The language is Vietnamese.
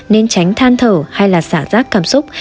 nên tránh than thở hay là xả rác cảm xúc